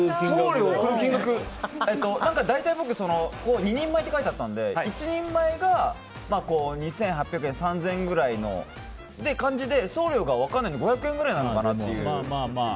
大体、僕２人前って書いてあったので１人前が２８００円３０００円ぐらいの感じで送料が分からないので５００円くらいなのかなっていう。